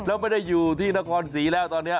แล้วไม่ได้อยู่ที่นครศรีแล้วตอนนี้